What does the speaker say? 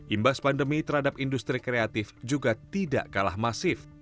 imbas pandemi terhadap industri kreatif juga tidak kalah masif